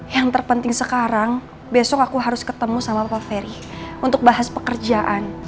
yang terpenting sekarang besok aku harus ketemu sama bapak ferry untuk bahas pekerjaan